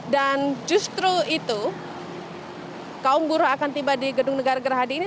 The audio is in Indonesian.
dan justru itu kaum buruh akan tiba di gedung negara gerah hadi ini